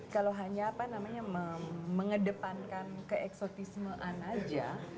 kalau hanya apa namanya mengedepankan keeksotismean aja